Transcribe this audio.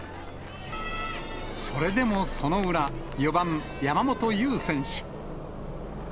それでもその裏、４番山本優選手。